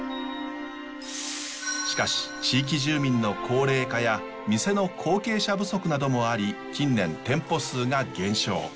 しかし地域住民の高齢化や店の後継者不足などもあり近年店舗数が減少。